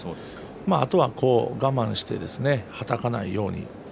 あとは我慢してはたかないように。